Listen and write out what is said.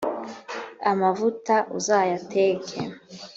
amavuta uzayateke